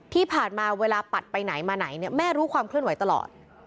ที่ผ่านมาเวลาปัดไปไหนมาไหนเนี่ยแม่รู้ความเคลื่อนไหวตลอด